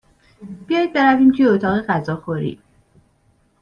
بیایید برویم توی اتاق غذاخوری.